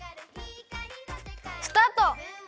スタート！